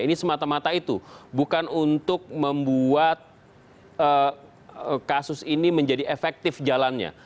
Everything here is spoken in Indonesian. ini semata mata itu bukan untuk membuat kasus ini menjadi efektif jalannya